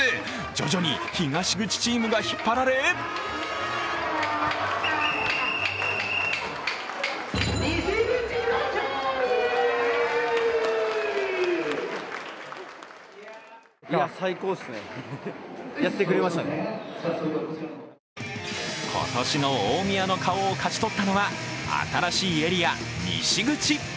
徐々に東口チームが引っ張られ今年の大宮の顔を勝ち取ったのは、新しいエリア、西口。